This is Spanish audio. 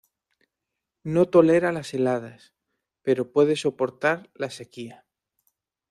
No tolera las heladas, pero puede soportar la sequía.